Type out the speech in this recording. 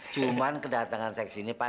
cuma kedatangan saya ke sini pak